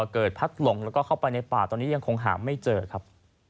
เกิดพัดหลงแล้วก็เข้าไปในป่าตอนนี้ยังคงหาไม่เจอครับ